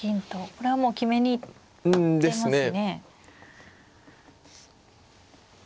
これはもう決めに行ってますね。